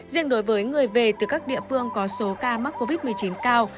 riêng đối với người về từ các địa phương có số ca mắc covid một mươi chín cao